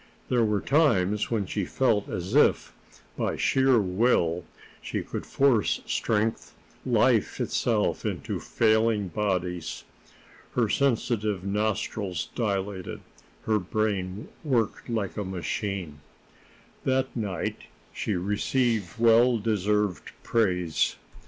There were times when she felt as if, by sheer will, she could force strength, life itself, into failing bodies. Her sensitive nostrils dilated, her brain worked like a machine. That night she received well deserved praise.